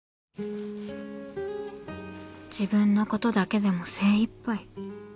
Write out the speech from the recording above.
自分のことだけでも精いっぱい。